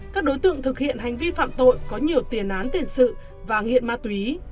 các đối tượng thực hiện hành vi phạm tội có nhiều tiền án tiền sự và nghiện ma túy